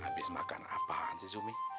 habis makan apaan sih umi